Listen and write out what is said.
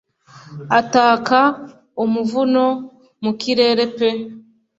ataka umuvumo mu kirere pe